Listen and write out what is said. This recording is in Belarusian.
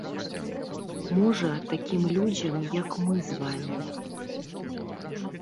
Можа, такім людзям, як мы з вамі.